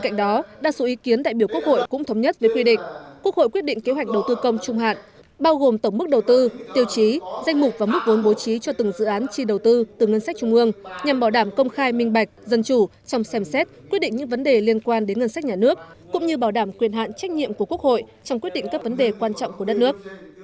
hiện hạn trách nhiệm của quốc hội trong quyết định các vấn đề quan trọng của đất nước